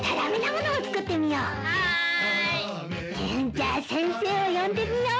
じゃあ先生を呼んでみよう。